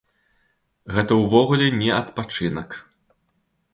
Гэта ўвогуле не адпачынак.